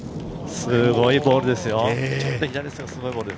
すごいボールですよ。